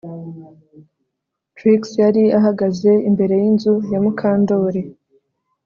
Trix yari ahagaze imbere yinzu ya Mukandoli